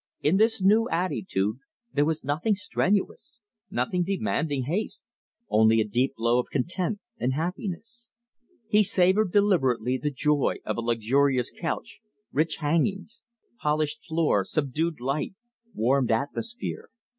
In this new attitude there was nothing strenuous, nothing demanding haste; only a deep glow of content and happiness. He savored deliberately the joy of a luxurious couch, rich hangings, polished floor, subdued light, warmed atmosphere.